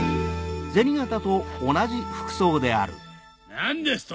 何ですと！